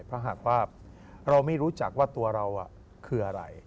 เพราะหากว่าเราไม่รู้จักว่าตัวเราคืออะไร